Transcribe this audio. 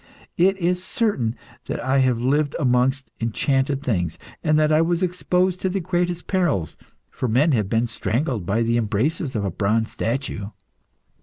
It is certain that I have lived amongst enchanted things, and that I was exposed to the greatest perils, for men have been strangled by the embraces of a bronze statue.